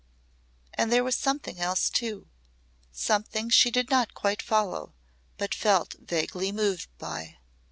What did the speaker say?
And there was something else too something she did not quite follow but felt vaguely moved by.